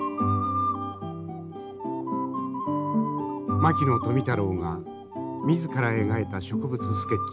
牧野富太郎が自ら描いた植物スケッチの数々。